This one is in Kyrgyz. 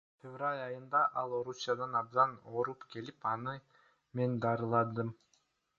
Февраль айында ал Орусиядан абдан ооруп келип, аны мен даарыладым.